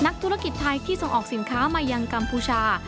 ธุรกิจไทยที่ส่งออกสินค้ามายังกัมพูชา